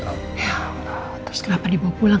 ya allah terus kenapa dibawa pulang